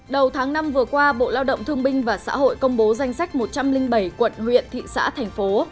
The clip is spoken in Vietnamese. đầu tháng năm vừa qua bộ lao động thương binh và xã hội công bố danh sách một trăm linh bảy quận huyện thị xã thành phố